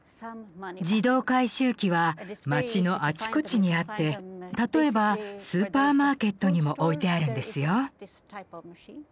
自動回収機は街のあちこちにあって例えばスーパーマーケットにも置いてあるんですよ。